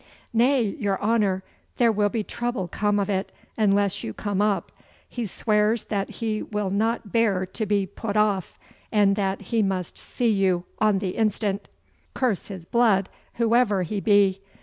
'Nay, your honour! There will trouble come of it unless you come up. He swears that he will not bear to be put off, and that he must see you on the instant.' 'Curse his blood, whoever he be!